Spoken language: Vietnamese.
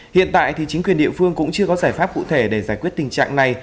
hiện tại thì chính quyền địa phương cũng chưa có giải pháp cụ thể để giải quyết tình trạng này